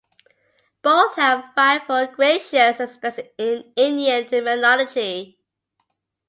Both have wrathful-gracious aspects in Indian mythology.